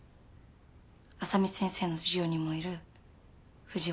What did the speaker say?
浅海先生の授業にもいる藤原昴。